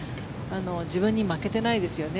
自分に負けてないですよね